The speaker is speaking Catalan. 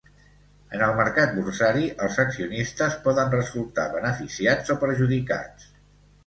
En el mercat borsari, els accionistes poden resultar beneficiats o perjudicats.